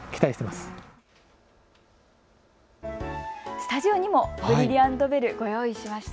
スタジオにもブリリアント・ベルご用意しました。